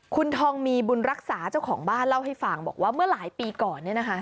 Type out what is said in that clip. คุณทองมีบุญรักษาเจ้าของบ้านเล่าให้ฟังบอกว่าเมื่อหลายปีก่อน